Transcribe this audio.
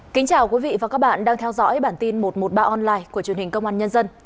kính chào quý vị và các bạn đang theo dõi bản tin một trăm một mươi ba online của truyền hình công an nhân dân